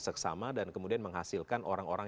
seksama dan kemudian menghasilkan orang orang